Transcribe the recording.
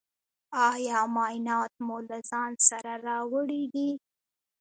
ایا معاینات مو له ځان سره راوړي دي؟